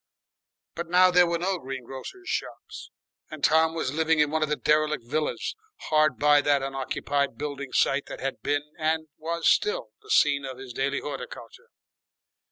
But now there were no green grocer's shops, and Tom was living in one of the derelict villas hard by that unoccupied building site that had been and was still the scene of his daily horticulture.